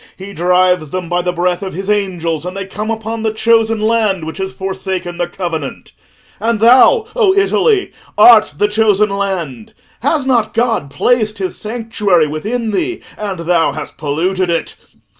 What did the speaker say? He drives them by the breath of his angels, and they come upon the chosen land which has forsaken the covenant. And thou, O Italy, art the chosen land; has not God placed his sanctuary within thee, and thou hast polluted it?